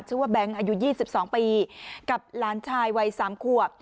ชื่อว่าแบงค์อายุ๒๒ปีกับล้านชายวัย๓คั่ว